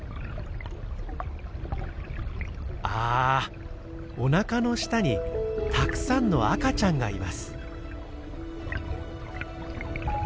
あっおなかの下にたくさんの赤ちゃんがいます。